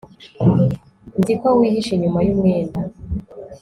nzi ko wihishe inyuma yumwenda